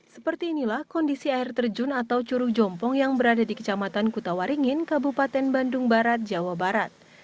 seperti inilah kondisi air terjun atau curu jompong yang berada di kecamatan kutawaringin kabupaten bandung barat jawa barat